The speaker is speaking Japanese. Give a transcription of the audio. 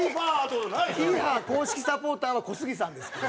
ヒーハー公式サポーターは小杉さんです。